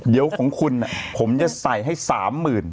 เดี๋ยวของคุณผมจะใส่ให้๓๐๐๐